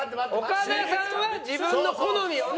岡田さんは自分の好みをね。